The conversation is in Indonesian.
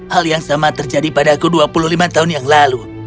hal yang sama terjadi pada aku dua puluh lima tahun yang lalu